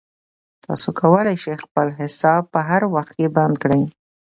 تاسو کولای شئ خپل حساب په هر وخت کې بند کړئ.